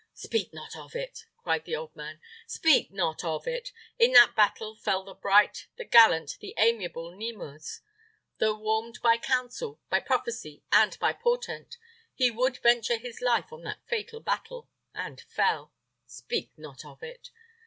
"Speak not of it!" cried the old man, "speak not of it! In that battle fell the bright, the gallant, the amiable Nemours. Though warned by counsel, by prophecy, and by portent, he would venture his life on that fatal battle, and fell. Speak not of it!